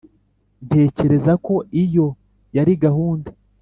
ntekereza ko iyo yari gahunda.